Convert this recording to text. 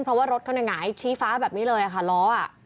เพราะว่ารถเขาหน่วยหน่อยจี้ฟ้าแบบนี้เลยอ่ะค่ะรออ่ะ